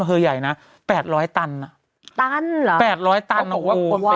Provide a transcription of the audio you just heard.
ก้าว